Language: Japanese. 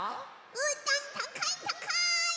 うーたんたかいたかい！